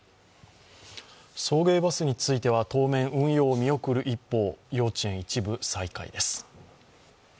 送迎バスについては、当面運用を見送る一方、幼稚園、一部再開です。